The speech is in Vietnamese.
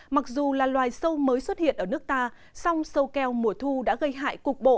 mặc dù là loài sâu mới xuất hiện ở nước ta song sâu keo mùa thu đã gây hại cục bộ